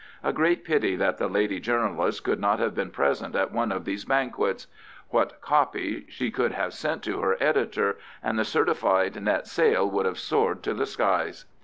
A great pity that the lady journalist could not have been present at one of these banquets. What "copy" she could have sent to her editor, and the certified net sale would have soared to the skies.